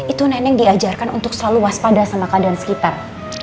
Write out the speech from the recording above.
itu neneng diajarkan untuk selalu waspada sama keadaan sekitar